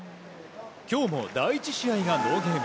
今日も第１試合がノーゲーム。